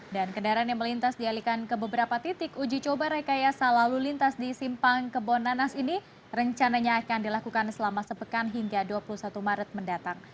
dan kendaraan yang melintas dialihkan ke beberapa titik uji coba rekayasa lalu lintas di simpang kebonanas ini rencananya akan dilakukan selama sepekan hingga dua puluh satu maret mendatang